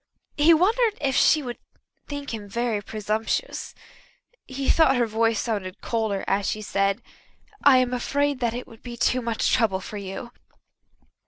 He wondered if she would think him very presumptuous. He thought her voice sounded colder as she said: "I am afraid that it would be too much trouble for you."